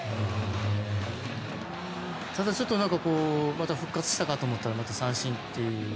ただちょっと復活したかと思ったらまた三振っていう。